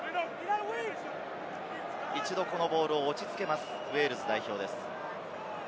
一度このボールを落ち着けます、ウェールズ代表です。